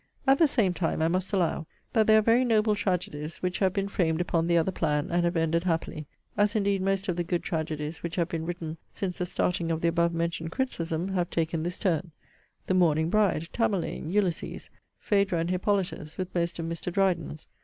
'At the same time I must allow, that there are very noble tragedies which have been framed upon the other plan, and have ended happily; as indeed most of the good tragedies which have been written since the starting of the above mentioned criticism, have taken this turn: The Mourning Bride, Tamerlane,* Ulysses, Phædra and Hippolitus, with most of Mr. Dryden's.